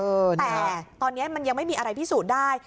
แต่ตอนนี้มันยังไม่มีอะไรพิสูจน์ได้